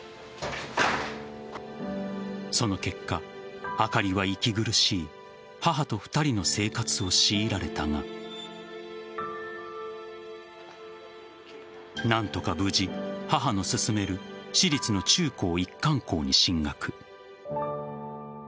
その結果、あかりは息苦しい母と２人の生活を強いられたが何とか無事、母の勧める私立の中高一貫校に進学。